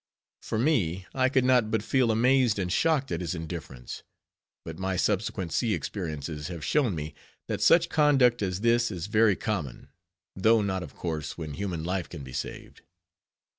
For me, I could not but feel amazed and shocked at his indifference; but my subsequent sea experiences have shown me, that such conduct as this is very common, though not, of course, when human life can be saved.